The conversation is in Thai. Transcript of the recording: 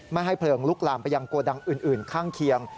ไม่ให้เพลิงลุกลามไปยังโกดังอื่นข้างเคียง